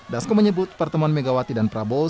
dasko menyebut pertemuan megawati dan prabowo